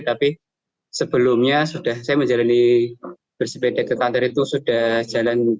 tapi sebelumnya saya menjalani bersepeda ke kantor itu sudah jalan